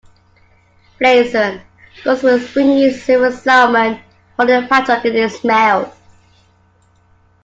Blazon: Gules with a springing Silver salmon, holding a padlock in its mouth.